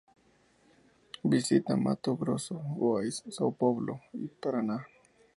Visita Mato Grosso, Goiás, São Paulo, y Paraná.